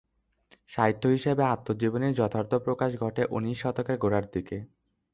সাহিত্য হিসেবে আত্মজীবনীর যথার্থ প্রকাশ ঘটে উনিশ শতকের গোড়ার দিকে।